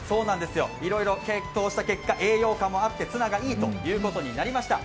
いろいろ検討した結果、栄養価もあってツナがいいということになりました。